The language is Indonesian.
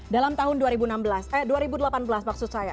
dalam tahun dua ribu delapan belas maksud saya